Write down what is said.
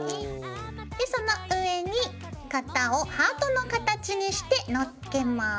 でその上に型をハートの形にしてのっけます。